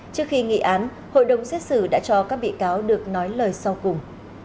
trước khi nghị án hội đồng xét xử đã cho các bị cáo được nói lời sau cùng